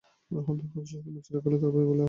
খ্রীষ্টধর্ম চিরকালই তরবারির বলে প্রচারিত হয়েছে।